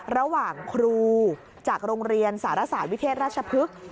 ระหว่างครูจากโรงเรียนสารศาสตร์วิเทศราชพฤกษ์